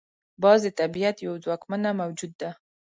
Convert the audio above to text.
باز د طبیعت یو ځواکمنه موجود ده